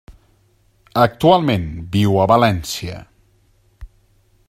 Actualment viu a València.